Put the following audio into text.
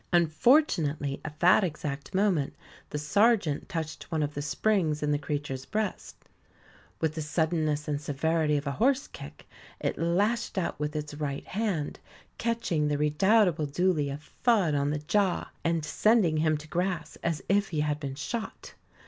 Unfortunately, at that exact moment the sergeant touched one of the springs in the creature's breast. With the suddenness and severity of a horse kick, it lashed out with its right hand, catching the redoubtable Dooley a thud on the jaw, and sending him to grass as if he had been shot.